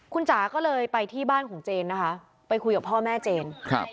คุณจ๋าก็เลยไปที่บ้านของเจนนะคะไปคุยกับพ่อแม่เจนครับ